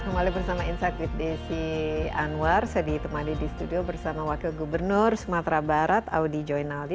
kembali bersama insight with desi anwar saya ditemani di studio bersama wakil gubernur sumatera barat audi joy naldi